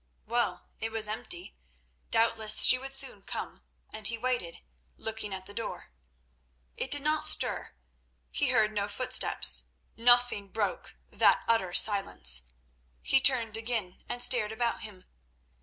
Well, it was empty—doubtless she would soon come, and he waited, looking at the door. It did not stir; he heard no footsteps; nothing broke that utter silence. He turned again and stared about him.